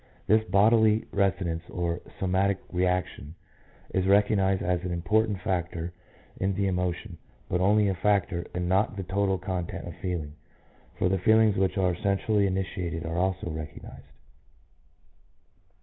This " bodily resonance " or " somatic reaction " is recognized as an important factor in the emotion, but only a factor, and not the total content of feeling, for the feelings which are centrally initiated are also recognized.